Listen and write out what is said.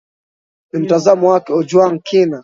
ni mtazamo wake ojwang kina